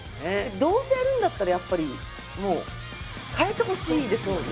どうせやるんだったらやっぱりもう変えてほしいですもんね。